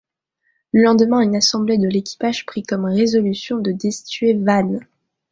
Le lendemain, une assemblée de l'équipage prit comme résolution de destituer Vane.